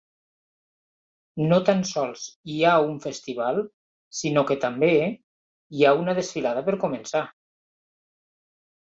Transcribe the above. No tan sols hi ha un festival, sinó que també hi ha una desfilada per començar.